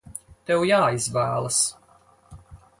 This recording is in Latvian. Tev jāizvēlas!